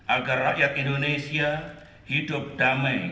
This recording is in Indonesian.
agar rakyat indonesia hidup damai